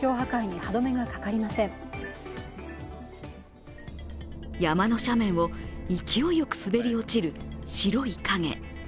山の傾斜を勢いよく滑り落ちる白い影。